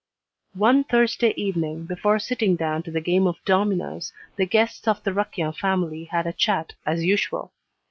One Thursday evening, before sitting down to the game of dominoes, the guests of the Raquin family had a chat, as usual.